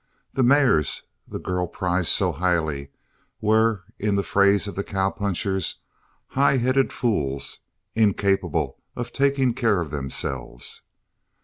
The mares the girl prized so highly were, in the phrase of the cowpunchers, "high headed fools" incapable of taking care of themselves.